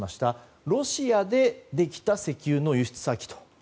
ロシアでできた石油の輸出先。